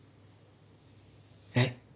えっ？